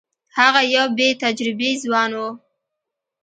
هغه یو بې تجربې ځوان وو.